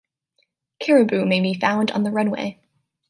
Caribou may be found on the runway.